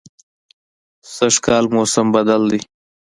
سږکال موسم بدل دی